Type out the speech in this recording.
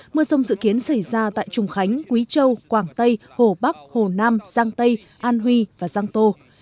mưa rông dự kiến xảy ra tại trùng khánh quý châu quảng tây hồ bắc hồ nam giang tây an huy và giang tô